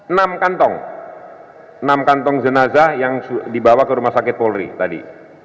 enam kantong enam kantong jenazah yang dibawa ke rumah sakit polri tadi